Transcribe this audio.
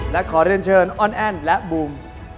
และขอเรียนเชิญอ้อนแอ้นและบูม